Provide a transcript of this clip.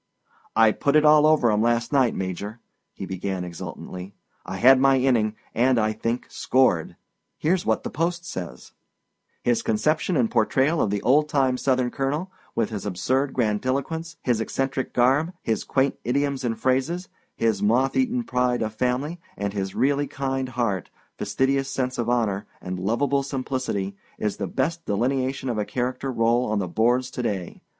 "I put it all over 'em last night, Major," he began exultantly. "I had my inning, and, I think, scored. Here's what The Post says: "'His conception and portrayal of the old time Southern colonel, with his absurd grandiloquence, his eccentric garb, his quaint idioms and phrases, his motheaten pride of family, and his really kind heart, fastidious sense of honor, and lovable simplicity, is the best delineation of a character role on the boards to day.